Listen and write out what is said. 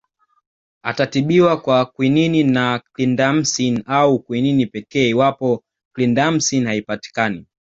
Atatibiwa kwa Kwinini na Clindamycin au Kwinini pekee iwapo Clindamycin haipatikani